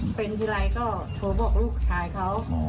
หลายขั้นอ๋อเป็นทีไรก็โทรบอกลูกชายเขาอ๋อ